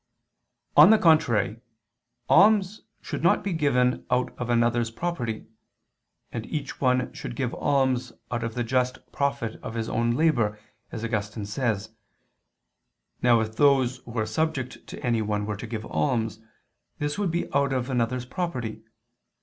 On the contrary, Alms should not be given out of another's property; and each one should give alms out of the just profit of his own labor as Augustine says (De Verb. Dom. xxxv, 2). Now if those who are subject to anyone were to give alms, this would be out of another's property.